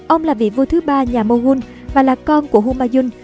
ông là vị vua thứ ba nhà moghun và là con của humayun